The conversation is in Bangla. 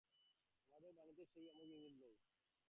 আমাদের বাণীতে সেই অমোঘ ইঙ্গিত নেই।